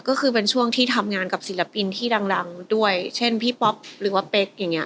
ก็คือเป็นช่วงที่ทำงานกับศิลปินที่ดังด้วยเช่นพี่ป๊อปหรือว่าเป๊กอย่างเงี้